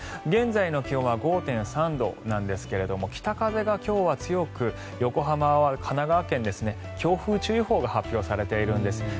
現在の気温は５．３度なんですけれども北風が今日は強く横浜、神奈川県は強風注意報が発表されているんです。